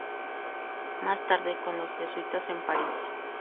Más tarde con los jesuitas en París.